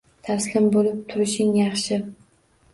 Taslim bo’lib turishing yaxshi.